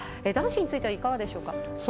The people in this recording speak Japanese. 男子についてはいかがでしょうか。